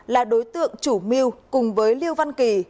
là đối tượng chủ mưu cùng với liêu văn kỳ